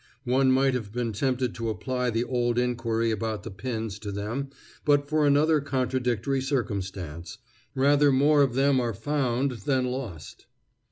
One might have been tempted to apply the old inquiry about the pins to them but for another contradictory circumstance: rather more of them are found than lost.